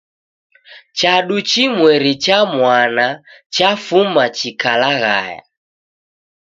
Chadu chimweri cha mwana chafuma chikalaghaya